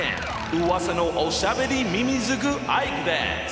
うわさのおしゃべりみみずくアイクです！